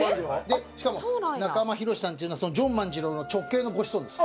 しかも中濱博さんっていうのはジョン万次郎の直系のご子孫です。